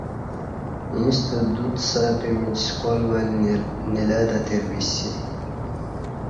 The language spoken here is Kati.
ییݩستہ دوڅ سہ پِیمِچ سکال ول نیلہ تہ تِیر بِیسی